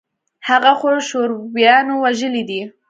هغه خو شورويانو وژلى دى.